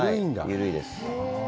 緩いです。